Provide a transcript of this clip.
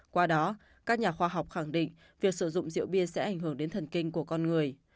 qua đó các nhà khoa học khẳng định việc sử dụng rượu bia sẽ ảnh hưởng đến thần kinh của con người